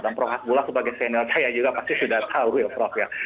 dan prof hasbullah sebagai senior saya juga pasti sudah tahu ya prof ya